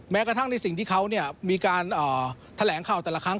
แม้กระทั่งในสิ่งที่เขามีการแถลงข่าวแต่ละครั้ง